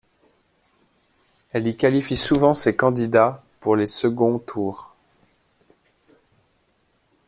Elle y qualifie souvent ses candidats pour les seconds tours.